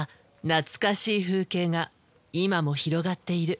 なつかしい風景が今も広がっている。